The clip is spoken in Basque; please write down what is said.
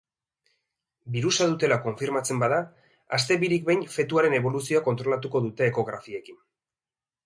Birusa dutela konfirmatzen bada, aste birik behin fetuaren eboluzioa kontrolatuko dute ekografiekin.